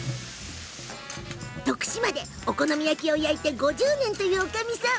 徳島でお好み焼きを焼いて５０年というおかみさん。